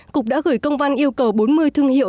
cục đã gửi công văn yêu cầu bốn mươi thương hiệu